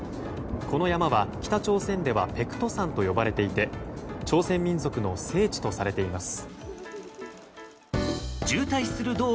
この山は、北朝鮮では白頭山と呼ばれていて朝鮮民族の聖地とされています。